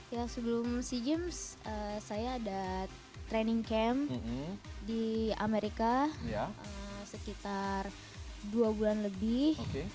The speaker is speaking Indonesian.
ya sebelum sea games saya ada training camp di amerika sekitar dua bulan lebih